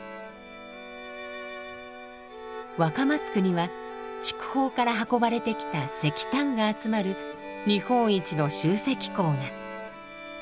若松区には筑豊から運ばれてきた石炭が集まる日本一の集積港が。